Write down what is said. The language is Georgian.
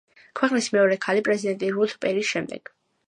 ქვეყნის მეორე ქალი პრეზიდენტი რუთ პერის შემდეგ.